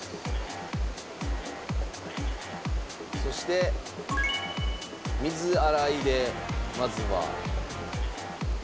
そして水洗いでまずは。